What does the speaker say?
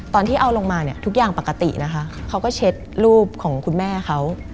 ตอนที่เอาลงมาเนี่ยทุกอย่างปกตินะคะเขาก็เช็ดรูปของคุณแม่เขา